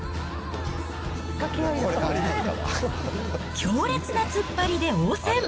強烈な突っ張りで応戦。